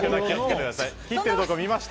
切っているところを見ました。